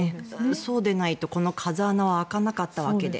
そうでないとこの風穴は開かなかったわけで。